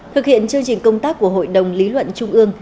thực hiện chương trình công tác của hội đồng lý luận trung ương